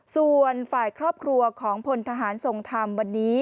ส่วนฝ่ายครอบครัวของพลทหารทรงธรรมวันนี้